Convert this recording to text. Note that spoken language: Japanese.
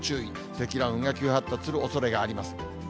積乱雲が急発達するおそれがあります。